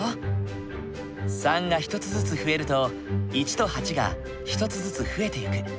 ３が１つずつ増えると１と８が１つずつ増えてゆく。